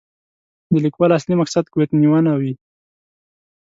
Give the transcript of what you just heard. د لیکوال اصلي مقصد ګوتنیونه وي.